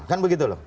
kan begitu loh